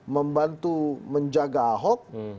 membantu menjaga ahok